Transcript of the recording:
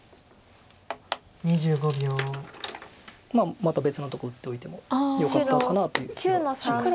また別のとこ打っておいてもよかったかなという気がします。